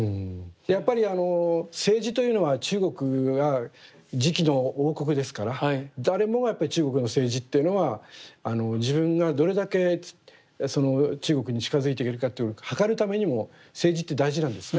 やっぱり青磁というのは中国が磁器の王国ですから誰もがやっぱり中国の青磁っていうのは自分がどれだけ中国に近づいていけるかっていうのをはかるためにも青磁って大事なんですね。